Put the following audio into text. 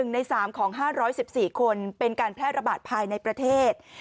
ใน๓ของ๕๑๔คนเป็นการแพร่ระบาดภายในประเทศ